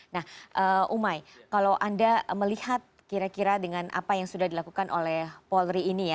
nah umai kalau anda melihat kira kira dengan apa yang sudah dilakukan oleh polri ini ya